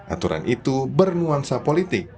aturan itu bernuansa politik